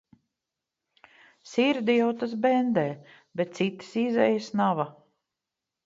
Sirdi jau tas bendē, bet citas izejas nava.